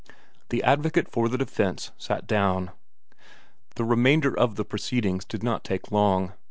The advocate for the defence sat down. The remainder of the proceedings did not take long.